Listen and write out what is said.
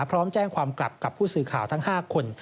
พร้อมแจ้งความกลับกับผู้สื่อข่าวทั้ง๕คน